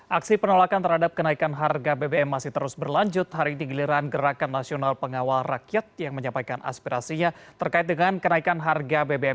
aksi penolakan terhadap kenaikan harga bbm masih terus berlanjut hari ini giliran gerakan nasional pengawal rakyat yang menyampaikan aspirasinya terkait dengan kenaikan harga bbm